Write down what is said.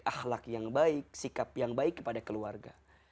ahlak yang baik sikap yang baik kepada keluarga